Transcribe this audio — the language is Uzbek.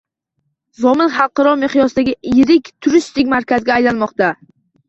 Zomin xalqaro miqyosdagi yirik turistik markazga aylanmoqda